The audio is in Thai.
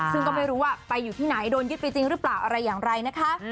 ซึ่งก็ไม่รู้ว่าไปอยู่ที่ไหนโดนยึดไปจริงหรือเปล่าอะไรอย่างไรนะคะ